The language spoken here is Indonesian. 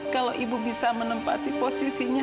kalau ibu bisa menempati posisinya